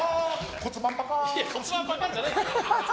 骨盤ぱかーじゃないよ！